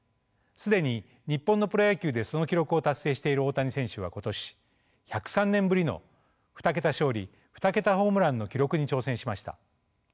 既に日本のプロ野球でその記録を達成している大谷選手は今年１０３年ぶりの２桁勝利２桁ホームランの記録に挑戦しました。